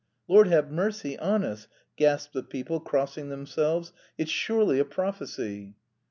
"Lord have mercy on us!" gasped the people, crossing themselves. "It's surely a prophecy."